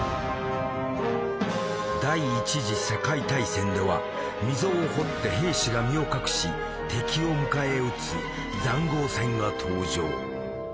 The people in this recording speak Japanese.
第一次世界大戦では溝を掘って兵士が身を隠し敵を迎え撃つ塹壕戦が登場。